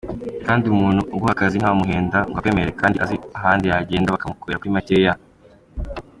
Kandi umuntu uguha akazi, ntiwamuhenda ngo akwemerere kandi azi ahandi yagenda bakamukorera kuri makeya.